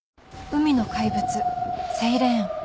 海の怪物・セイレーン